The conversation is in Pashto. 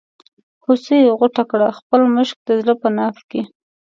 هوسۍ غوټه کړه خپل مشک د زړه په ناف کې.